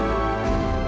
aku harus ke belakang